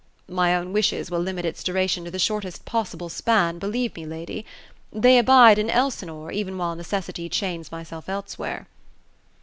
*' My own wishes will limit its duration to the shortest possible span^ believe me, lady. They abide in Elsinore, even while necessity chains myself elsewhere."